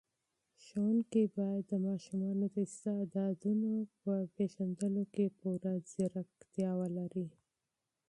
ښوونکي باید د ماشومانو د استعدادونو په پېژندلو کې پوره مهارت ولري.